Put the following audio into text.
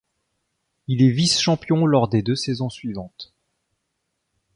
Il est vice-champion lors des deux saisons suivantes.